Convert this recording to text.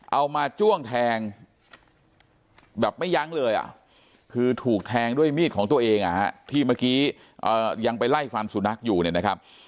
มาจ้วงแทงแบบไม่ยั้งเลยอ่ะคือถูกแทงด้วยมีดของตัวเองที่เมื่อกี้ยังไปไล่ฟันสุนัขอยู่เนี่ยนะครับ